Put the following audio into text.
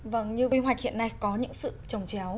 vâng như quy hoạch hiện nay có những sự trồng chéo